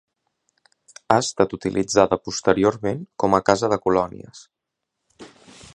Ha estat utilitzada posteriorment com a casa de colònies.